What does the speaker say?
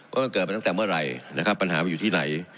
ว่ามันเกิดมาตั้งแต่เมื่อไหร่นะครับปัญหามันอยู่ที่ไหน